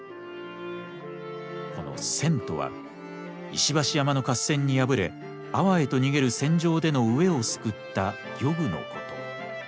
この「筌」とは石橋山の合戦に敗れ安房へと逃げる船上での飢えを救った漁具のこと。